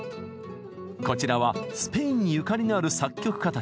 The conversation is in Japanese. こちらはスペインにゆかりのある作曲家たち。